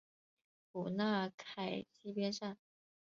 普纳凯基边上。